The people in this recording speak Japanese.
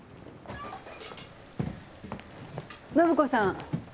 暢子さん。